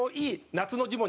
「夏のジモン」。